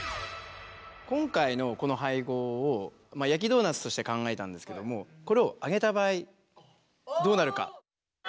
今回のこの配合をまあ焼きドーナツとして考えたんですけどもこれを揚げた場合どうなるか。